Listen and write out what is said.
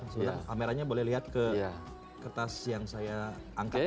sebenarnya boleh lihat ke kertas yang saya angkat ini